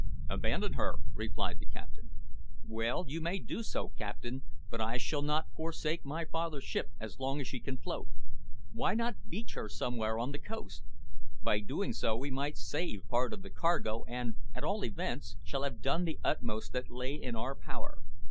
"Abandon her," replied the captain. "Well, you may do so, captain, but I shall not forsake my father's ship as long as she can float. Why not beach her somewhere on the coast? By so doing we might save part of the cargo, and, at all events, shall have done the utmost that lay in our power."